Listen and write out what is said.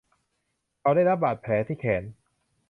เขาได้รับบาดแผลที่แขน